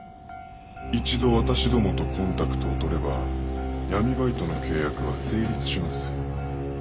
「一度私どもとコンタクトを取れば闇バイトの契約は成立します」